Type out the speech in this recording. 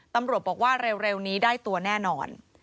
ตำรวจบอกว่าเร็วนี้ได้ตัวแน่นอน